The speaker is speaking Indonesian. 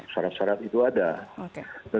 syarat syarat itu ada